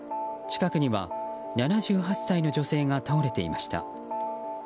近くには、７８歳の女性が倒れていました。